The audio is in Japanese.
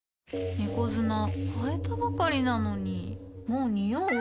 猫砂替えたばかりなのにもうニオう？